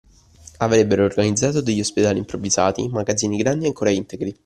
Avrebbero organizzato degli ospedali improvvisati, in magazzini grandi e ancora integri